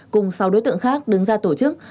cùng sáu đối tượng khác đứng ra tổ chức